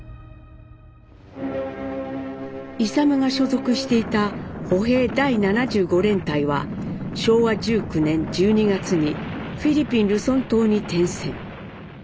勇が所属していた歩兵第七十五連隊は昭和１９年１２月にフィリピンルソン島に転戦。